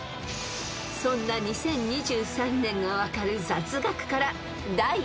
［そんな２０２３年が分かる雑学から第１問］